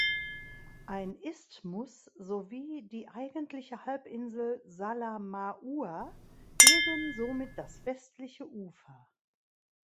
Ein Isthmus sowie die eigentliche Halbinsel Salamaua bilden somit das westliche Ufer.